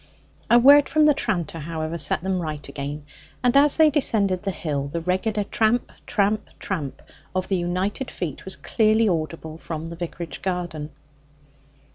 A word from the tranter, however, set them right again; and as they descended the hill, the regular tramp, tramp, tramp of the united feet was clearly audible from the vicarage garden.